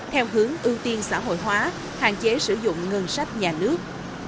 theo hướng ưu tiên xã hội hóa hạn chế sử dụng ngân sách nhà nước